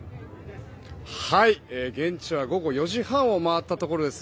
現地は午後４時半を回ったところです。